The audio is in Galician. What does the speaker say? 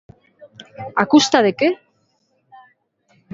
¿A custa de que?